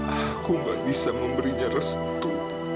aku gak bisa memberinya restu